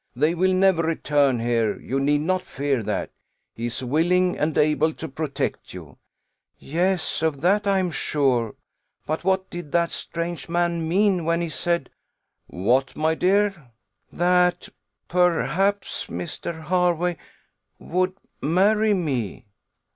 They will never return here; you need not fear that. He is willing and able to protect you." "Yes of that I am sure. But what did that strange man mean, when he said " "What, my dear?" "That, perhaps, Mr. Hervey would marry me."